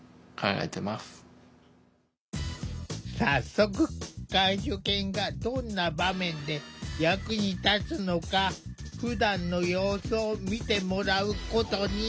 早速介助犬がどんな場面で役に立つのかふだんの様子を見てもらうことに。